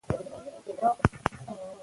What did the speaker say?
اقتصاد د اسعارو نرخونو بدلون څیړي.